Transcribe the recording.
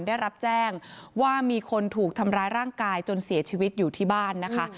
ได้รับแจ้งว่ามีคนถูกทำร้ายร่างกายจนเสียชีวิตอยู่ที่บ้านนะคะ